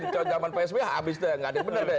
zaman psb habis deh